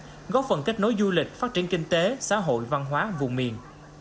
việt nam góp phần kết nối du lịch phát triển kinh tế xã hội văn hóa vùng miền